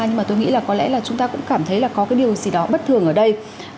nhưng mà tôi nghĩ là có lẽ là chúng ta cũng cảm thấy là có cái điều gì đó bất thường ở đây